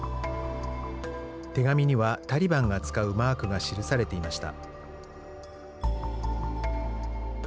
手紙には、タリバンが使うマークが記されていました。